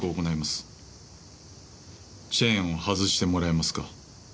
チェーンを外してもらえますか？